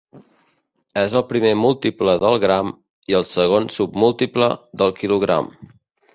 És el primer múltiple del gram i el segon submúltiple del quilogram.